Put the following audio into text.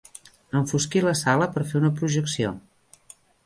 Enfosquir la sala per fer una projecció.